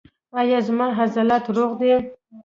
ایا زما عضلات روغ دي؟